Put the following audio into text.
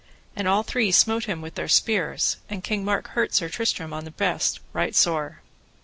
And all three smote him with their spears, and King Mark hurt Sir Tristram on the breast right sore.